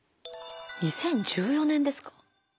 ２０１４年ですか。